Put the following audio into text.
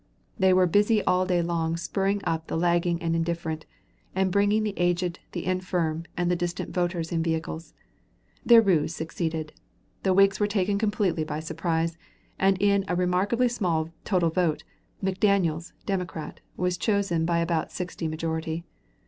They were busy all day long spurring up the lagging and indifferent, and bringing the aged, the infirm, and the distant voters in vehicles. Their ruse succeeded. The Whigs were taken completely by surprise, and in a remarkably small total vote, McDaniels, Democrat, was chosen by about sixty majority.